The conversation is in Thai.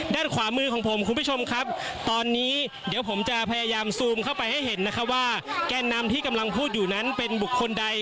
ด้านขวามือของผมคุณผู้ชมครับตอนนี้เดี๋ยวผมจะพยายามซูมเข้าไปให้เห็นนะคะว่าแกนนำที่กำลังพูดอยู่นั้นเป็นบุคคลใด